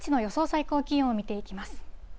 最高気温を見ていきます。